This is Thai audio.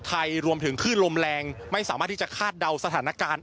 รวมถึงคลื่นลมแรงไม่สามารถที่จะคาดเดาสถานการณ์